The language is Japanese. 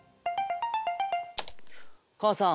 母さん